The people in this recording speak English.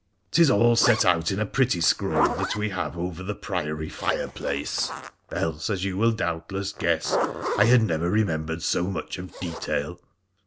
'Tis all set out in a pretty scroll that we have over the priory fire place, else, as you will doubtless guess, I had never remembered so much of detail.'